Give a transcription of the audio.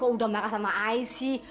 kok udah marah sama ayah sih